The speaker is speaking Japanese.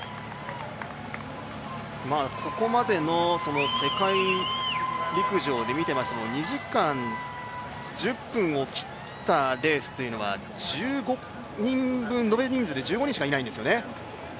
ここまでの世界陸上で見ていましても２時間１０分を切ったレースっていうのは延べ人数で１５人しかいないんですね。